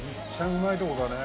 うまいとこだね